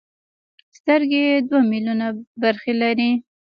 سترګې دوه ملیونه برخې لري.